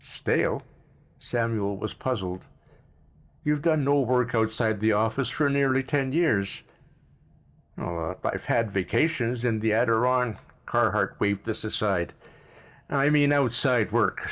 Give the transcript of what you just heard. "Stale?" Samuel was puzzled. "You've done no work outside the office for nearly ten years?" "But I've had vacations, in the Adiron——" Carhart waved this aside. "I mean outside work.